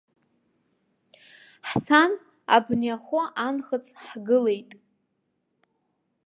Ҳцан абни ахәы анхыҵ ҳгылеит.